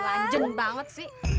lanjen banget sih